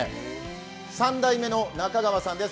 ３代目の中川さんです。